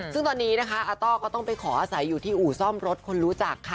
ซึ่งตอนนี้นะคะอาต้อก็ต้องไปขออาศัยอยู่ที่อู่ซ่อมรถคนรู้จักค่ะ